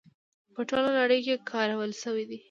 په ټوله نړۍ کې کارول شوې ده.